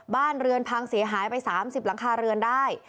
บ้านเรือนพังเสียหายไป๓๐หลังคาเรือนได้